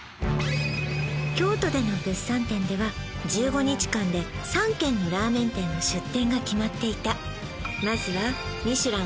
京都での物産展では１５日間で３軒のラーメン店の出店が決まっていたまずはミシュラン